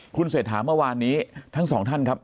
คุณเศรษฐาเมื่อวานนี้ทั้งสองท่านครับ